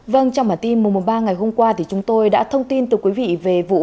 vâng trong bản tin mùa mùa ba ngày hôm qua thì chúng tôi đã thông tin từ quý vị về vụ